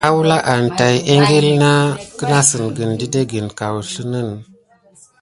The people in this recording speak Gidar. Awula an tät ikili kena sikina didé kaouzeni.